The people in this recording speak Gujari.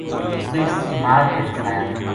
ویہ مار کے نسایا